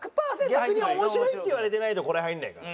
逆に「面白い」って言われてないとこれ入らないから。